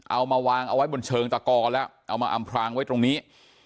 เอามาวางเอาไว้บนเชิงตะกอแล้วเอามาอำพรางไว้ตรงนี้